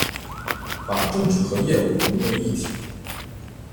把政治和业务融为一体